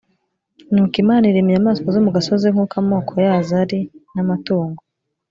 nuko imana irema inyamaswa zo mu gasozi nk uko amoko yazo ari n amatungo